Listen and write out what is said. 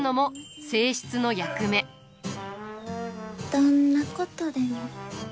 どんなことでも。